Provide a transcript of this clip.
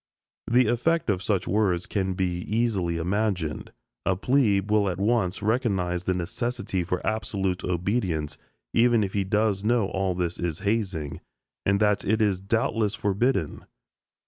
The effect of such words can be easily imagined. A "plebe" will at once recognize the necessity for absolute obedience, even if he does know all this is hazing, and that it is doubtless forbidden.